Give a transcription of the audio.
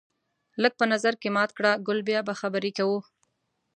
لږ په نظر کې مات کړه ګل بیا به خبرې کوو